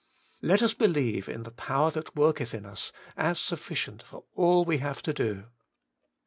Let us believe in the power that worketh in us as sufficient for all we have to do.